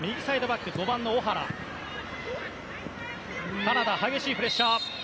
カナダ激しいプレッシャー。